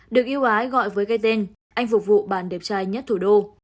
được yêu ái gọi với cái tên anh phục vụ bản đẹp trai nhất thủ đô